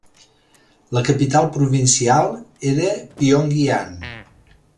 La capital provincial era Pyongyang.